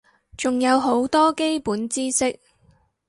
仲有好多基本知識